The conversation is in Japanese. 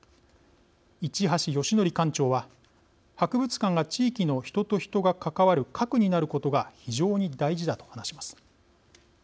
市橋芳則館長は「博物館が、地域の人と人が関わる核になることが非常に大事だ」と話します。